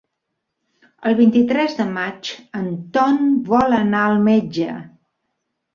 El vint-i-tres de maig en Ton vol anar al metge.